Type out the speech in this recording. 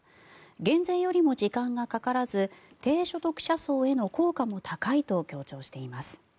減税よりも時間がかからず低所得者層への効果も高いと強調しています。